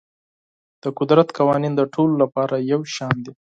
د قدرت قوانین د ټولو لپاره یو شان دي.